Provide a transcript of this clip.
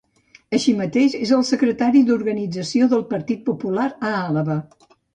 Així mateix, és el secretari d'organització del Partit Popular a Àlaba.